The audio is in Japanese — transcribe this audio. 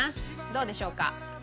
どうでしょうか？